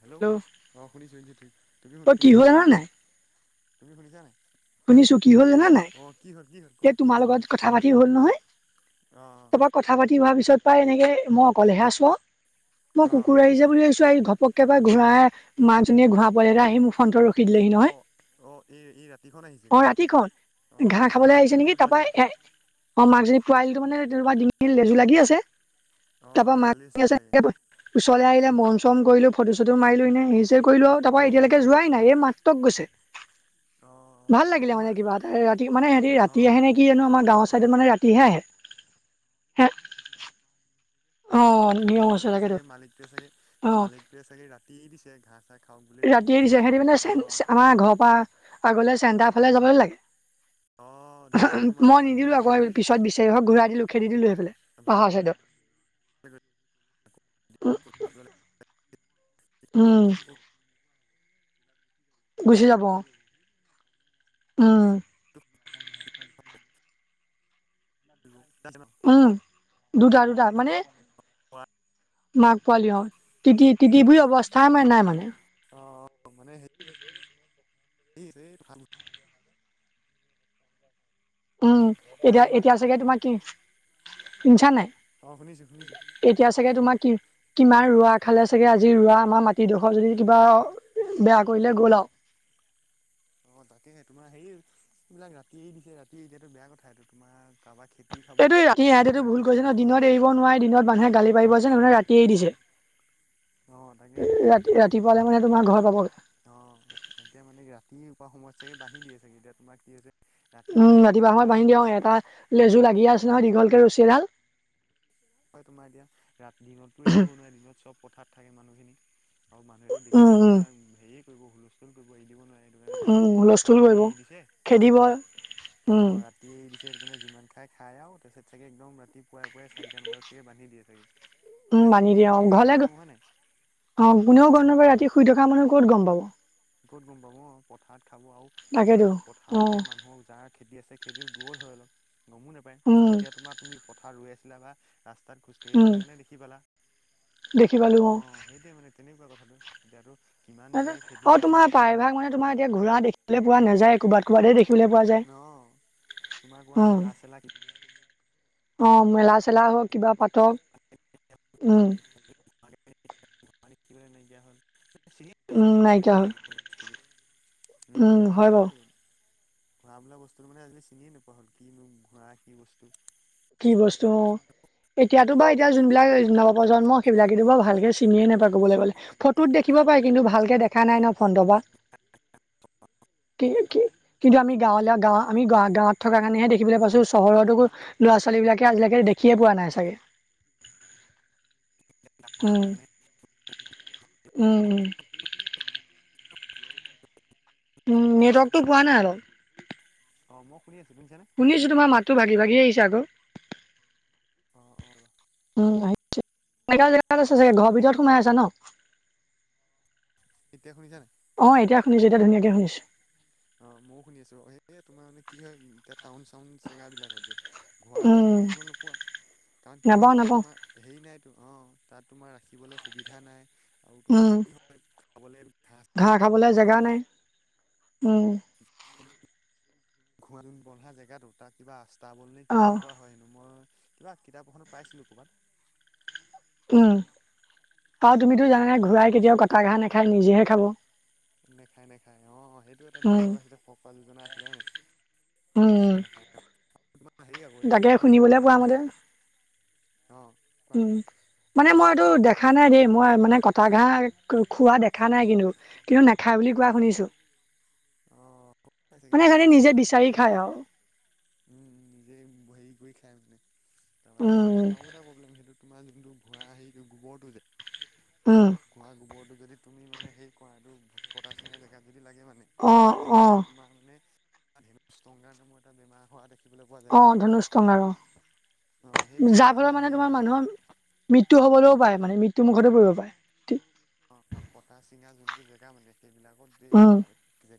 Hello hello অঁ শুনিছোঁ শুনিছোঁ, তুমি অ' তুমি কি হ'ল শুনিছানে জানা নাই তুমি শুনিছা নাই? শুনিছো, কি হ'ল জানা নাই? অ কি হ'ল কি হ'ল এ কোৱা তোমাৰ লগত কথা পাতি হ'ল নহয় অ তাপা- কথা পাতি হোৱা পিছত পাই এনেকে মই অকলেহে আচো আও মই অ কুকুৰ আহিছে বুলি ভাবিছো এই ঘপক- কেবাৰে ঘূৰা মাকজনীয়ে ঘূৰা পোৱালি এটা আহি মোৰ ফণ্টত ৰখি দিলেহি নহয়। অঁ' এই এই ৰাতিখন আহি- অঁ' ৰাতিখন ঘাঁহ খাবলে আহিছে নেকি পোৱালি তাপা এটা এ- অঁ' মাক জনী পোৱালীটো মানে তেনেকুৱা ডিঙিত লেজু লাগি আছে অ তাৰ পৰা মাক এৰাল দি জনী আছিলে চাগে আছে- ওচৰলে আহিলে মৰম চৰম কৰিলো ফটো চটো মাৰিলো এনেই আহি- তে কৰিলো আও অ তাৰপৰা এতিয়ালেকে যোৱাই অ অ নাই এই মাত্ৰক গৈছে। অ ভাল এই লাগিলে মানে তোমাৰ কিবা এটা ৰাতি মানে এহেঁটি অ ৰাতি আহে নে কি জানো? আমাৰ গাঁৱৰ চাইডত মানে ৰাতি- তিহে আহে। অ নিয়ম আছে তাকেতো চাগে মালিকটোৱে চাগে অ মালিকটোৱে চাগে ৰাতি দিছে ঘাঁহ চাঁহ। ৰাতিয়ে দিছে। হেঁতি মানে চেন আমাৰ দিনত ঘৰৰ পৰা আগলে চেণ্টাৰ ফালে যাবলৈ অ লাগে। দিনত তোমাৰ মই মানুহে নিদিলো দেখে আকৌ বুলি আহিবলে পিছত বিচাৰি আহক ঘূৰাই দিলো খেদি দিলো সেইফালে ভাল পাহাৰ চাইদত। উম উম [unintelligible] গুচি যাব অঁ। ওম' [unintelligible] [unintelligible] উম' দুটা দুটা মানে- কোৱা। মাক পোৱালীহত, তিতি তিতি বুই অৱস্থাই মা নাই মানে। অ মানে সে [inaudible] [unintelligible] উম, এ এতিয়া তোমাৰ এতিয়া চাগে তোমাৰ কি শুনিছানে নাই? অ', শুনিছো শুনিছো এতিয়া চাগে তোমাৰ কি কিমান ৰোৱা খালে চাগে আজি ৰোৱা আমাৰ মাট টি ডোখৰ যদি কিবা বেয়া কৰিলে গল আৰু। অ তাকেহে তোমাৰ হেই এইবিলাক ৰাতি দিছে ৰাতি এতিয়াতো বেয়া কথা এইটো তোমাৰ কাৰোবাৰ খেতি খাব, সেইবিলাকটো অ দিনত এৰিব নোৱাৰে, দিনত মানুহে গালি পাৰিব যে সেইটোকাৰণে ৰাতি এৰি দিছে। অ', তাকে সেই এতিয়া ৰাতি ৰাতিপুৱালে মানে তোমাৰ ঘৰ পাবগে। অ' এতিয়া মানে ৰাতিপুৱা সময়ত চাগে বান্ধি দিয়ে চাগে এতিয়া তোমাৰ কি হৈছে ৰাতি উম, যিমান খাওঁ ৰাতিপুৱা সময়ত খা বান্ধি দিয়ে, অ এটা লেজু লাগি আছে নহয় দীঘলকে ৰছী এডাল। হয় তোমাৰ এতিয়া ৰাতি দিনতটো এৰি দিব নোৱাৰে, দিনত চব পথাৰত থাকে মানুহখিনি। আৰু মানুহেটো উম দেখিলে উম তোমাৰ হেৰি কৰিব, হুলস্থুল কৰিব এৰি দিব নোৱাৰে। সেইটোকাৰণে চাগে উম হুলস্থুল ৰাতিয়ে কৰিব। এৰি দিছে, খেদিব উম অ' ৰা তিয়ে এৰি দিছে সেইকাৰণে যিমান খাই খাই আৰু তাৰপিছত চাগে একদম ৰাতিপুৱাই পুৱাই চাৰি টামান বজাত চাগে বান্ধি দিয়ে চাগে। উম বান্ধি তোমাৰ দিয়ে অ গম নাপায় ঘৰলে, কোনো হয় নাই অ কোনেও গম উম, নাপায় ৰাতি শুই থকা মানুহে ক'ত গম পাব। ক'ত গম পাব অ, পথাৰত খাব আৰু তাকেতো তোমাৰ অ পথাৰতকে মানুহৰ যাৰ খেতি আছে, খেতি দূৰত হৈ অলপ, গমো নাপায় উম এতিয়া তোমাৰ তুমি পথাৰত ৰৈ আছিলা বা ৰাস্তাত খোজকাঢ়ি উম আছিলা কাৰণে দেখি পালা, দেখি পালো অ অ'। সেইটোৱে মানে তেনেকুৱা কথাটো এতিয়াতো কিমান চাগে খেতি আৰু খাই তোমাৰ দিলে ঠিক প্ৰায়ভাগ নাই। মানে তোমাৰ এতিয়া ঘোঁৰা দেখিবলে পোৱা নাযায় ক'ৰবাত কৰবাতহে দেখিবলৈ পোৱা যায়, অ', তোমাৰ কোৱা উম। মেলা চেলা অ মেলা - চেলা হওক কিবা পাতক, উম। [unintelligible] [unintelligible] উম, নাইকিয়া হ'ল। উম হয় বাৰু সেইটোৱে। ঘোঁৰা বোলা বস্তুটো মানে আজিকালি চিনিয়ে নোপোৱা হল কিনো ঘোঁৰা কি বস্তু? কি বস্তু অ। এতিয়াটো বা এতিয়া যোনবিলাক নৱপ্ৰজন্ম সেইবিলাকেতো ভালকে চিনিয়ে নাপায় কবলৈ গ'লে। ফটোত দেখিব পাই কিন্তু ভালকে দেখা নাই ন ফ্ৰণ্টপা। কি কি কিন্তু আমি গাঁৱলীয়া গাঁৱ আমি গাঁৱত গাঁৱত থকা কাৰণেহে দেখিবলৈ পাইছো চহৰতটো ল'ৰা-ছোৱালীবিলাকে আজিলেকে দেখিয়ে পোৱা নাই চাগে। উম, উম। উম নেটৱৰ্কটো পোৱা নাই অলপ। অ মই শুনি আছো, শুনিছানে? শুনিছোঁ, তোমাৰ মাতটো ভাগি ভাগি আহিছে আকৌ। অ অ ৰবা। উম আহিছে। [unintelligible] জেগাত আছা চাগে, ঘৰ ভিতৰত সোমাই আছা ন? এতিয়া শুনিছা নাই? অ এতিয়া শুনিছোঁ এতিয়া ধুনীয়াকে শুনিছোঁ। অ মইও শুনি আছো, এ তোমাৰ মানে কি হয় এতিয়া টাউন - চাউন চেগাবিলাকত যে ঘোঁৰোৱা ওচৰত উম, তুমি দেখিব নোপোৱা কাৰণ কি হয় নাপাওঁ তাত নাপাওঁ তোমাৰ হেৰি নাইতো, অঁ তাত তোমাৰ ৰাখিবলৈ সুবিধা নাই। উম, [unintelligible] খাবলৈ [unintelligible] উমঁ'। সেইটো- [unintelligible] জেগাতো তাত কিবা আস্তা বল নে কি অ বুলি কোৱা হয় হেনো, মই- কিবা কিতাপ এখনত পাইছিলোঁ ক'ৰবাত। উমঁ' আৰু তুমিতো জানাই ঘূৰাই কেতিয়াও কটা ঘাঁহ নেখায় নিজেহে খাব। নেখায় নেখায় অঁ' সেইটো এটা উম ডাইলগ আছিলে ফকৰা যোজনা আছিলে হয় নাই। কটা উম ঘাঁহ নাখায় [unintelligible] হেৰি আকৌ সেইটো তাকে [unintelligible] শুনিবলৈ পোৱা কিবা- অঁ। উমঁ। মানে মই এইটো দেখা নাই দেই মই মানে কটা ঘাঁহ খোৱা দেখা নাই কিন্তু। কিন্তু নেখায় বুলি কোৱা শুনিছোঁ। [unintelligible] পাইছেগে মানে সিহঁতে নিজে বিচাৰি খায় আৰু। উমঁ' উমঁ' নিজে হেৰি কৰি খাই মানে তাৰপৰা তোমাৰ উম সেৰি আৰু এটা প্ৰব্লেম সেইটো- তোমাৰ যোনটো ঘোঁৰা হেৰিটো গোবৰটো যে। উমঁ'। ঘোঁৰাৰ গোবৰটো যদি তুমি মানে সেই কুঁহাটো কটা চিঙা জেগাত যদি লাগে মানে- অ অ তেতিয়া তোমাৰ মানে [unintelligible] ধেনু ষ্টোগাৰ এটা বেমাৰ হোৱা দে অঁ' ধনুছ ষ্টোগাৰ অ সেই অঁ' বেমাৰটো যাৰ ফলত মানে হেৰি তোমাৰ হয় মানুহৰ- মৃত্যু হ'বলৈও পাৰে মানে মৃত্যু মুখতো পৰিব পাৰে। অঁ' কটা চিঙা যোনটো জেগা মানে সেইবিলাকত যদি উম ঘা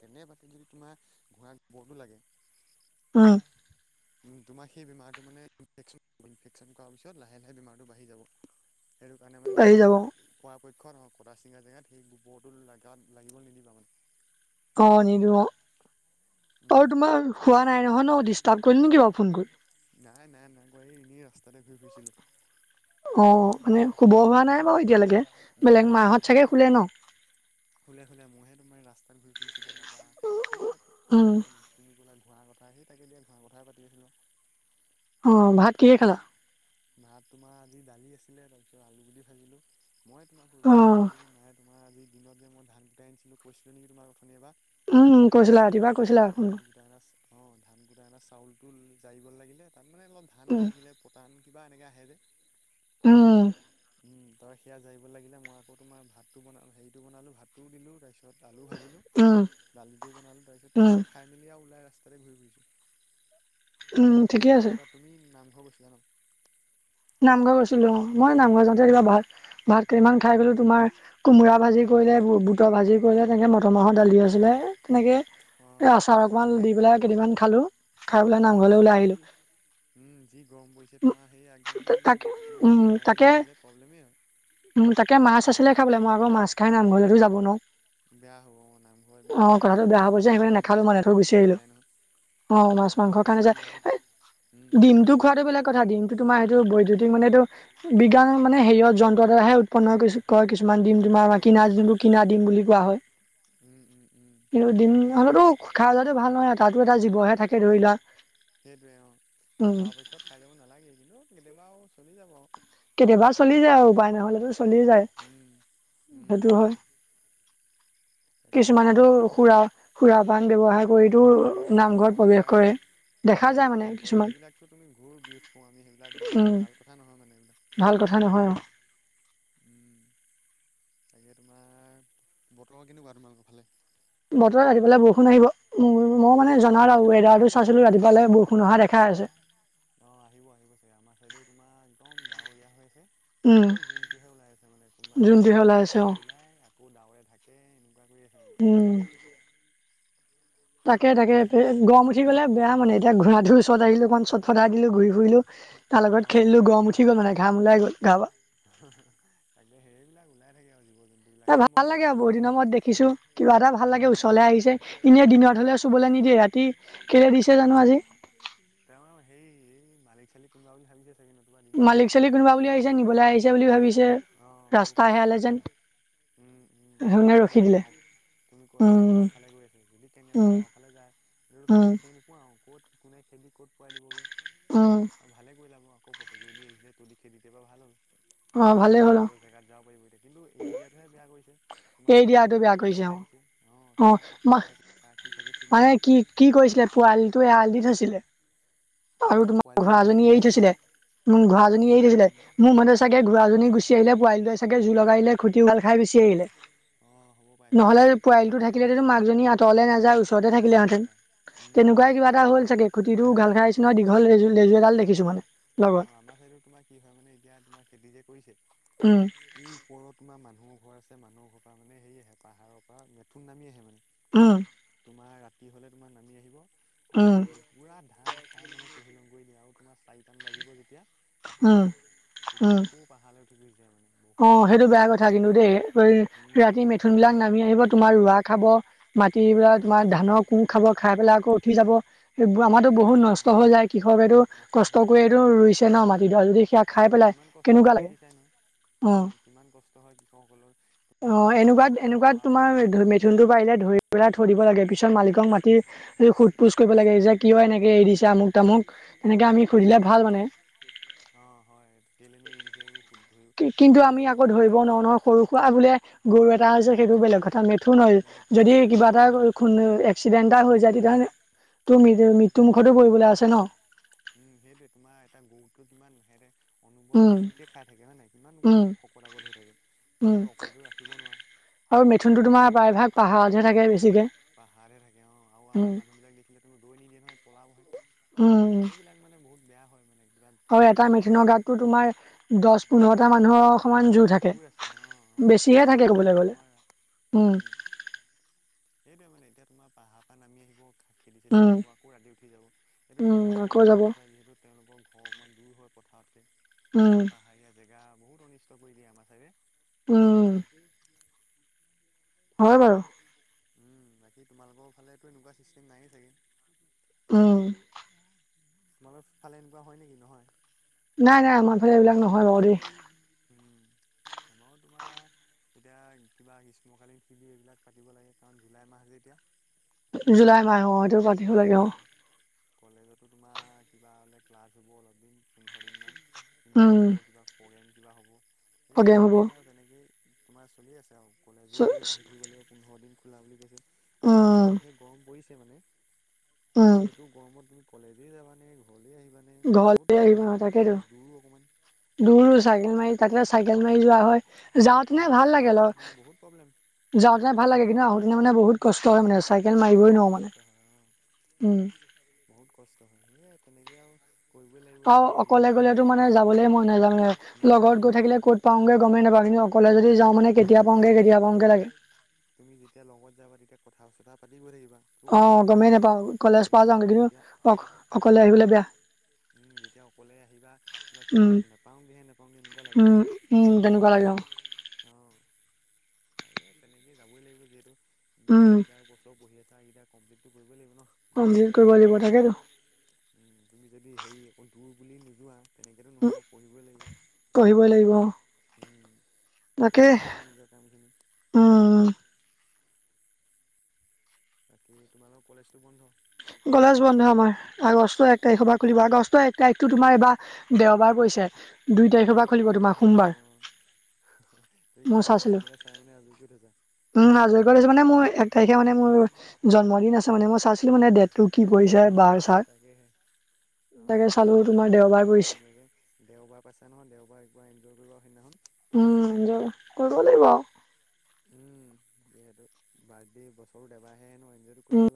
কেনেবাকে যদি তোমাৰ ঘোঁৰা গোবৰটো লাগে- উমঁ। তোমাক সেই বেমাৰটো মানে [unintelligible] ইনফেকচন কৰাৰ পিছত লাহে লাহে বেমাৰটো বাঢ়ি যাব। সেইটো কাৰণে মানে বাঢ়ি তুমি- যাব পৰাপক্ষত কতা চিঙা জেগাত সেই গোবৰটো লগাত লাগিবলৈ নিদিবা মানে। অঁ' নিদিওঁ উম আৰু তোমাৰ শুৱা নাই নহয় ন' ডিষ্টাৰ্ব কৰিল নেকি বাৰু ফোন কৰি? নাই নাই নাই কৰা, এই এনেই ৰাস্তাতে ঘূৰি ফুৰিছিলোঁ। অঁ' মানে শুব হোৱা নাই বাৰু এতিয়ালৈকে, নাই বেলেগ হয় নাই মাহত হয় চাগে শুলে ন'? শুলে শুলে, মইহে তোমাৰ ৰাস্তাত ঘূৰি ফুৰিছিলোঁ তাৰপৰা সেয়াই উম কিবা- তুমি কলা ঘোঁৰা কথা সেই তাকে এতিয়া ঘোঁৰা কথাই পাতি আছিলোঁ। অঁ' ভাত কিহেৰে খালা? ভাত তোমাৰ আজি দালি আছিলে তাৰপিছত আলু গুতি ভাজিলো। মই তোমাক অ কৰিলগীয়া হ'ল, এই মায় তোমাৰ আজি দিনত যে মই ধান কুতাই আনিছিলোঁ কৈছিলোঁ নেকি তোমাৰ উঠনি এবাৰ। উম কৈছিলা তাৰপৰা সেই ৰাতিপুৱা কৈছিলা ধানৰ ধান- অঁ' ধান কুটাই এনা চাউলটো জাৰিব লাগিলে তাত মানে অলপ ধান উম লাগিছিলে পতান- কিবা এনেকে আহে যে। উমঁ। উমঁ' ত' সেয়া যাৰিব লাগিলে মই আকৌ তোমাৰ ভাতটো বনা, হেৰিটো বনালো, ভাতটোও দিলো তাৰপিছত- তাৰপিছত আলু ভাজিলো, উম দালিটো বনালো তাৰপিছত উম তেনেকে খাই- খাই মিলি ওলাই আৰু ৰাস্তাতে ঘূৰি উম ফুৰিছোঁ, ঠিকে তুমি আছে ভাত [unintelligible] তুমি নামঘৰ গৈছিলা ন'? নামঘৰ গৈছিলা অঁ' মই নামঘৰ যাওঁতে কিবা ভাত- ভাত কেইমান খাই গ'লো তোমাৰ কোমোৰা ভাজি কৰিলে বু তৰ ভাজি কৰিলে তেনেকৈ মটৰ মাহৰ দালি আছিলে তেনেকে। অঁ আচাৰ অকমান দি তাকেহে পেলাই কেইদিমান খালো, খাই পেলাই উম নামঘৰলৈ তাকে ওলাই যি আহিলো। উম, যি গৰম পৰিছে তোমাৰ সেই একদম তাকে অকণমান উম ওলাই মেলি তাকে নাহিলে প্ৰব্লেমেই হয় উম তাকে মাছ উম আছিলে খাবলে। মই আকৌ মাছ খাই নামঘৰলৈটো যাব নোৱাৰোঁ। বেয়া হ'ব, নামঘৰ এইবিলাক কথাটো ধৰ্মীয় বেয়া হৈ গৈছে সেইকাৰণে অনুষ্ঠানবিলাকলে মাছ নাখালো মানে থৈ মাংস গুচি খাই আহিলো নাযায় নহয়। অ', অঁ ধৰ্মীয় মাংসৰ কাৰণে যায়, অনুষ্ঠানবিলাকত এ ডিমটো খোৱাটো বেলেগ কথা। ডিম তোমাৰ সেইটো বৈদ্যুতিক মানে এইটো বিজ্ঞান মানে হেৰিয়ত যন্ত্ৰৰ দ্বাৰাহে উৎপন্ন কৰ কিছু কিছুমান ডিম অঁ তোমাৰ সেইটো হয় কিনা বাৰু যোনটো কিনা ডিম বুলি কোৱা হয়। উম, উম, উম, কিন্তু সেইটো হয় ডিম হয় হ'লেতো খাই যোৱাতো ভাল নহয়, তাতো এটা জীৱহে থাকে ধৰি লোৱা। সেইটোৱে অ', উম পৰাপক্ষত খাই নালাগে কিন্তু চলি যাব আৰু। কেতিয়াবা চলি যায় আৰু উপায় নহ'লেতো চলি যায় উম, উম, সেইটো উম, হয়। তাকে এতিয়া কিছুমানেতো সুৰা সুৰা পান ব্যৱহাৰ কৰিতো অ', নামঘৰত মদ প্ৰৱেশ খাই কৰে দেখা কম যায় মানে প্ৰৱেশ কৰে, কিছুমান সেইবিলাকটো তুমি ঘোৰ বিৰোধ কৰো আমি সেইবিলাকটো মানে উম ভাল কথা নহয় মানে এইবিলাক। ভাল কথা নহয় অ'। উম, তাকে তোমাৰ বতৰ কেনেকুৱা তোমালোকৰ ফালে। বতৰত ৰাতি ফালে বৰষুণ আহিব। মই মানে উম। নহয় তাত ৱেডাৰটো চাইছিলো ৰাতিপুৱালে বৰষুণ অহা দেখাই আছে। অ', আহিব আহিব চাগে আমাৰ চাইডেও তোমাৰ একদম ডাৱৰীয়া হৈ আছে। উম অকল জোনটোহে ওলাই আছে মানে, কোনোবা জোনটোহে ওলাই এটা আছে অ চাইডে ওলাই আকৌ ডাৱৰে থাকে এনেকুৱা কৰি আছে মানে। উম। তাকে তাকে গৰম উঠি উঠি গ'লে বেয়া মানে, এতিয়া ঘোঁৰাটোৰ ওচৰত আহিলো অকণ চট ফটাই দিলো ঘূৰি ফুৰিলো তাৰ অ লগত খেলিলো অকমান গৰম খেলা উঠি গ'ল মেলা মানে কৰিলা ঘাম ওলাই গ'ল গাৰপা। তাকে হেৰি বিলাক ওলাই থাকে আৰু জীৱ জন্তু। এ ভাল লাগে আৰু বহুত দিনৰ মুৰত দেখিছো, কিবা এটা ভাল লাগে উম ওচৰলৈ আহিছে। এনেই দিনত হ'লে চুবলৈ নিদিয়ে। ৰাতি কেলে দিছে জানো আজি অ', তেওঁ হেই এই মালিক চালিক কোনোবা বুলি ভাবিছে চাগে ন? কবা দিনততো মালিক তোমাৰ চালিক ওচৰ কোনোবা আহিব বুলি আহিছে নিদিয়ে। নিবলৈ আহিছে বুলি ভাবিছে অঁ হ'ব ৰাস্তা পাৰে হেৰালে এতিয়াচোন যেন উম, উম। এতিয়া সেইকাৰণে তোমাৰ ৰখি সেইয়া দিলে গাঁও তুমি কৈছা উম গাওঁ ফালে গৈ আছে? যদি কেনে বাকে উম গাওঁ ফালে যায়। এইটো তুমি উম বিচাৰি নোপোৱা আৰু ক'ত কোনে খেদি ক'ত পোৱাই দিব গে। উম। অ', ভালে কৰিলা মই আকৌ পতকে যদি আহিছিলে তদি খেদি দিয়াৰ পা ভাল হ'ল। অ' সি ভালেই আকৌ হ'ল অ' নিজৰ জেগাত যাব পাৰিব এতিয়া, কিন্তু এৰি দিয়াটোহে বেয়া কৰিছে। তোমাৰ এই এতিয়া দিয়াটো কিমান বেয়া খেতি কৰিছে অ' খাই দিছে, অ' কাৰ কঠীয়া খাইছে কাৰ কি খাইছে ঠিক মানে নাই। কি কি কৰিছিলে পোৱালিটোৱে এড়াল দি থৈছিলে। আৰু অ', তোমাৰ পোৱালিটো এৰালে ঘোৰাজনী চেৰালে এৰি আহিছে ন? থৈছিলে, মোৰ ঘোৰাজনী উম এৰি থৈছিলে, উম। মোৰ মানে চাগে ঘঁৰাজনী গুচি আহিল পোৱালীটোৱে জোৰ লগাই দিলে খুটি উভাল খাই গুচি আহিলে। অঁ হ'ব। পাই চাগে নহ'লে অঁ। পোৱালি টো থাকিলেতোটো মাকজনী আঁতৰলৈ নাযায়। চৰতে থাকিলে নাযায় হেতেন, নাযায় উম উম আমাৰ তেনেকুৱাই চাইডো হ'ল চাগে, খুতিতো উভাল খাই আহিছে অঁ। নহয়। দীঘল লেজু এডাল দেখিছোঁ অঁ, মানে। লগত আমাৰ ছাইডত তোমাৰ কি হয় মানে এতিয়া তোমাৰ খেতি যে কৰিছে। উম। এই ওপৰত তোমাৰ মানুহৰ ঘৰ আছে মানুহৰ ঘৰ পৰা মানে হেৰি আহে পাহাৰৰ পৰা মেথুন নামি আহে মানে। উম। তোমাৰ ৰাতি হ'লে তোমাৰ নামি আহিব আৰু উম, পোৰা ধান খায় মানে তাহিলং কৰি দিয়ে, আৰু তোমাৰ চাৰিটা মান বাজিব যেতিয়া ৰাতিপুৱা, উম, তেতিয়া আকৌ পাহাৰলে উঠি গুচি যায় মানে। বহুত অঁ অনিষ্ট সেইটো বেয়া কৰে কথা আমাৰ কিন্তু চাইডে দেই, উম ৰাতি মেথুন বিলাক নামি আহিব তোমাৰ ৰোৱা খাব কিয় মাটিবিলাক তোমাৰ একদম ধানৰ কুঁ খাব, খায় পেলাই আকৌ উঠি যাব। আমাৰটো উঠি বহুত যাব অ নষ্ট হৈ যায়, কৃষকেটো নষ্ট কষ্ট কৰি এইটো ৰুইছে ন' মাটি ডৰা, যদি সেয়া খাই অঁ পেলাই কিমান কষ্ট কেনেকুৱা হয় লাগে দেখিছাই নহয়, অ উম', কিমান কষ্ট হয় কৃষকসকলৰ! তোমাৰ অঁ চোৱাচোন এনেকুৱাত কঠীয়া এনেকুৱাত পৰা পৰা ধৰি তোমাৰ মেথুনটো পাৰিলে ধৰি পেলাই থৈ দিব লাগে, পিছত মালিকক মাতি এই সোধ পোছ কৰিব লাগে, যে কিয় এনেকে এৰি দিছে আমুক-তামুক। অঁ হয় এইটো অঁ হয় কেলেনো এৰি দিছে এইবোৰ শু কিন্তু আমি আকৌ ধৰিব নোৱাৰ নহয়' সৰু সুৰা বোলে গৰু এটা আছে সেইটো বেলেগ কথা, মেথুন হয় বেলেগ কথা যদি বেলেগ কিবা কথা এটা খুনো এক্সিডেণ্ট এটা হৈ যায় তেতিয়াহলে, তোৰ অ মি- মৃত্যুমুখতো ৰিক্স পৰিবলৈ আছে নহয় ন। উম, সেইটোৱে তোমাৰ এটা গৰুতকেও কিমান হেতে অনবৰত উম ফ্ৰীকে খায় থাকে হয় নাই, কিমান উম শকত আবত হৈ থাকে, তুমি উম এইটো অকলেত ৰাখিব নোৱাৰা। আৰু মেথুনটো তোমাৰ প্ৰায়ভাগ পাহাৰতহে থাকে বেছিকে। পাহাৰতে থাকে অঁ আৰু উম আমাৰ মানুহ বিলাক দেখিলে তো ৰৈ নিদিয়ে নহয়, পলাবহে। উম উম এইবিলাক মানে বহুত বেয়া হয় মানে আৰু কিমান এটা ধান খাই দিয়ে মেথেনৰ কি গতটো তোমাৰ, দছ পোন্ধৰটা মানুহৰ সমান জুৰ থাক জুৰ আছে অঁ ও তুমি অকলে ৰাখিব গ'লে নোৱাৰা। উম। সেইটোৱে মানে এতিয়া তোমাৰ পাহাৰ পৰা নামি আহিব খেতি-চেদি উম খাব আকৌ ৰাতি উঠি যাব, সেইটোত উম কৃষক আকৌ সকলে গম যাব নাপায় যিহেতু তেওঁলোকৰ ঘৰ অকণমান দূৰ হয় পথাৰতকে। উম। পাহাৰীয়া জেগা বহুত অনিষ্ট কৰি দিয়ে, আমাৰ চাগে। উম। হয় বাৰু। উম বাকী তোমালোকৰ ফালেতো এনেকুৱা ছিষ্টেম নাইয়ে চাগে? উম। তোমালোকৰ ফালে এনেকুৱা হয় নেকি নহয়? নাই নাই আমাৰ ফালে এইবিলাক নহয় বাৰু দেই। উম', আমাও তোমাৰ এতিয়া কিবা স্মকালিং ফিলি এইবিলাক পাতিব লাগে, কাৰণ জুলাই মাহ যে এতিয়া। জুলাই মাহ অঁ এইটো পাতিব লাগে অঁ'। উম কলেজতো তোমাৰ কিবা হ'লে ক্লাছ হ'ব অলপ দিন, পোন্ধৰ দিনমান, উম ইণ্টাৰ্ণশ্বিপৰ কিবা প্ৰগ্ৰেম কিবা হ'ব, প্ৰগ্ৰেম হ'ব সেইবিলাক উম মানে আৰু তেনেকেই তোমাৰ চলি আছে আৰু। কলেজো আহি থাকিব লাগিব পোন্ধৰ দিন খোলা বুলি কৈছে, আৰু তোমাৰ যিহে গৰম পৰিছে মানে উম তুমি এইটো গৰমত তুমি কলেজে যাবা নে, ঘৰলে আহিবা নে নে ঘৰলে বহুত আহিব প্ৰব্লেম ন হয়, আৰু তাকেতো কলেজ দূৰো অকমান। দূৰো চাইকেল মাৰি তাতে চাইকেল মাৰি যোৱা হয়, যাওঁতেনে অঁ ভাল যোৱা লাগে হয় অলপ। তোমাৰ বহুত প্ৰব্লেম যাওঁতেনে ভাল লাগে, কিন্তু আহোঁতেনে মানে বহুত কষ্ট হয় মানে চাইকেল কষ্ট মাৰিবই হয় নোৱাৰোঁ কষ্ট মানে হয় অঁ উম'। বহুত কষ্ট হয়, সেয়াই তেনেকে আৰু কৰিবই লাগিব অ', যেতিয়া যি অকলে গ'লেতো মানে যাবলে মই নাযায় মানে, মন লগত নাযায় গৈ অঁ থাকিলে তুমি ক'ত পাওঁগে গ'মেই নাপাওঁ কিন্তু অকলে যদি গমেই যাওঁ মানে, নাপায় অঁ কেতিয়া পাওঁগে কেতিয়া পাওঁগে লাগে। তুমি যেতিয়া লগত যাবা তেতিয়া কথা-চথা পাতি গৈ থাকিবা। তুমি অ', নোপোৱা হয় গ'মেই নাই নোপাওঁ কি কলেজ পাই যাওঁ নহয় গৈ, কিন্তু যেতিয়া অ-অকলে আহিবলৈ বেয়া। উম, যেতিয়া অকলে আহিবা তোমাক কি উম নাপাওঁগৈহে নোপাওঁগৈ এনেকুৱা লাগে উম মানে। উম, তেনেকুৱা লাগে অ'। অ', তাকে তেনেকেইে যাবই লাগিব যিহেতু উম যিকেইটা বছৰ পঢ়ি আছা সেইকেইটা কমপ্লিটটো কৰিবই লাগিব ন' কমপ্লিট নপঢ়িলে কৰিব নো লাগিব কেনেকৈ হ'ব। তাকেতো উম, তুমি যদি হেৰি অকৌ দূৰ বুলি নোযোৱা। তেনেকেতো নহ'ব পঢ়িবই লাগিব, পঢ়িবই লাগিব অ উম, তাকে পঢ়িবই লাগিব নিজক কাম খিনি। উম বাকী তোমালোকৰ কলেজটো বন্ধ? কলেজ বন্ধ আমাৰ, আগষ্টৰ এক তাৰিখৰ পৰা খুলিব আগষ্টৰ এক তাৰিখটো তোমাৰ এইবাৰ দেওবাৰ পৰিছে। দুই তাৰিখৰ পৰা অ', খুলিব দুই তোমাৰ তাৰিখৰ পৰা সোমবাৰ খুলিব অ', তুমি মই চাইছিলো কেলেণ্ডাৰ-চেলেণ্ডাৰ চাই মানে আজৰি কৰি থৈছা। উম, আজৰি কৰি থৈছোঁ মানে মোৰ এক তাৰিখে মানে মোৰ জন্মদিন আছে মানে মই চাইছিলো মানে ডেট। অ', অ', তাকেহে অ', তাকে অ', চালো ঠিকে তোমাৰ আছে দেওবাৰ একদম পৰিছে ধুনীয়াকে দেওবাৰ পাইছা নহয় দেওবাৰ পুৰা এনজয় কৰিব সেইদিনাখন। উম, এঞ্জয় কৰিৱ লাগিব আৰু। উম, যিহেতু বাৰ্থডে বছৰটোট এবাৰহে আহে ন' এঞ্জয়টো কৰিব উম লাগে।